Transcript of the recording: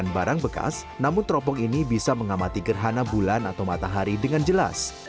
bukan barang bekas namun teropong ini bisa mengamati gerhana bulan atau matahari dengan jelas